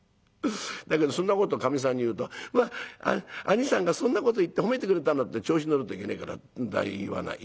だけどそんなことかみさんに言うと『まあ兄さんがそんなこと言って褒めてくれたんだ』って調子乗るといけねえから言わない。